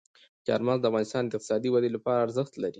چار مغز د افغانستان د اقتصادي ودې لپاره ارزښت لري.